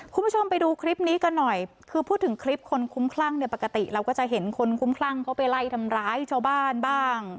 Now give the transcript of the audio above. คุณผู้ชมไปดูคลิปนี้กันหน่อยคือพูดถึงคลิปคนคุ้มคลั่งเนี่ยปกติเราก็จะเห็นคนคุ้มคลั่งเขาไปไล่ทำร้ายชาวบ้านบ้าง